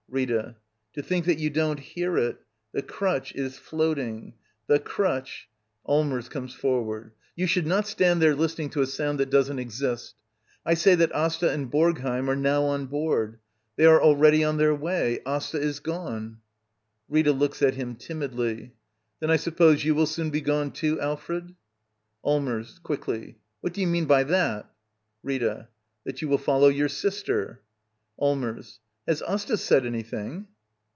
Rita. To think that you don't hear it! "The crutch is — floating. The crutch —99 '::,, Digitized by VjOOQIC LITTLE EYOLF =<« Act ni. Allmers. [Gmies forward.] You should not stand there listening to a sound that doesn't exist! I say that Asta and Borgheim are now on board. They are already on their way. — Asta is gone. Rita. [Looks at him timidly.] Then I suppose you will soon be gone, too, Alfred? Allmbrs. [Quickly.] What do you mean by thatf Rita. That you will follow your sister. Allmers. Has Asta said anything?